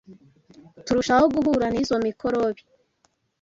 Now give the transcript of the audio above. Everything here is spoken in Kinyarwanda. turushaho guhura n’izo mikorobi;